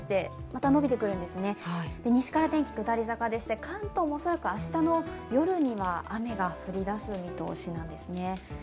また西から天気は下り坂でして、関東も恐らく明日の夜には雨が降りだす見通しなんですね。